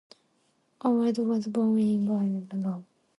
Howard was born in Burlington, Iowa.